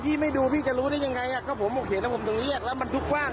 พี่ไม่ดูพี่จะรู้ได้ยังไงอ่ะก็ผมโอเคแล้วผมต้องเรียกแล้วมันทุกกว้าง